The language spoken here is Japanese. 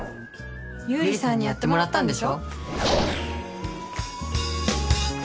ゆうりさんにやってもらったんでしょ？